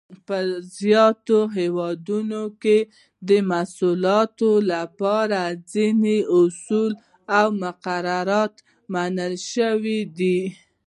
په زیاتو هېوادونو کې د محصولاتو لپاره ځینې اصول او مقررات منل شوي دي.